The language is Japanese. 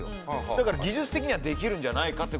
だから技術的にはできるんじゃないかと。